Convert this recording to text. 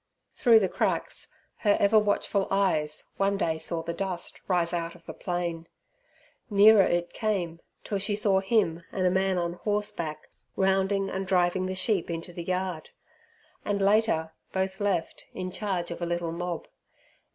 Through the cracks her ever watchful eyes one day saw the dust rise out of the plain. Nearer it came till she saw him and a man on horseback rounding and driving the sheep into the yard, and later both left in charge of a little mob.